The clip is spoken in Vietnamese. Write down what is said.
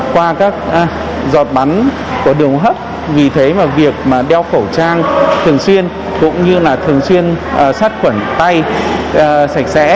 qua các giọt bắn của đường hấp vì thế mà việc đeo khẩu trang thường xuyên cũng như là thường xuyên sát quẩn tay sạch sẽ